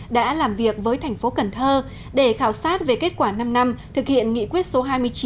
đã làm việc với thành phố cần thơ để khảo sát về kết quả năm năm thực hiện nghị quyết số hai mươi chín